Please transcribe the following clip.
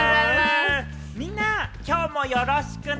みんな、きょうもよろしくね。